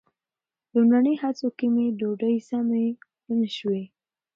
لومړني هڅو کې مې ډوډۍ سمې ونه شوې.